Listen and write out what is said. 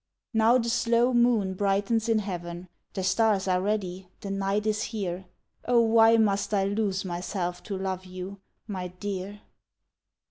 Now the slow moon brightens in heaven, The stars are ready, the night is here Oh why must I lose myself to love you, My dear?